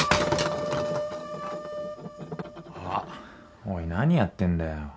あっおい何やってんだよ。